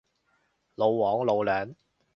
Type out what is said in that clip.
老黃，老梁